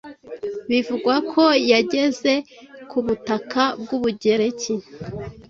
Bivugwa ko yageze ku butaka bwUbugereki